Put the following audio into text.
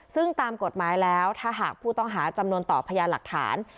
ซึ่งตามกฎหมายแล้วถ้าหากผู้ต้องหาจำนวนต่อพยานหลักฐาน